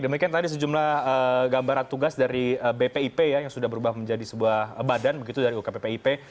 demikian tadi sejumlah gambaran tugas dari bpip yang sudah berubah menjadi sebuah badan begitu dari ukppip